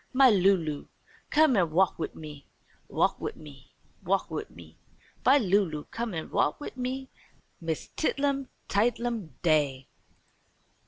"My Lulu, come an' wa'k wid me, wa'k wid me, wa'k wid me. My Lulu, come an' wa'k wid me. 'Miss Tidlum Tidelum Day.'"